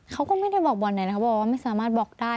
เขาก็ไม่ได้บอกบอลไหนนะเขาบอกว่าไม่สามารถบอกได้